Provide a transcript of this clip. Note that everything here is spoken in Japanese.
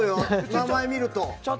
名前を見ると。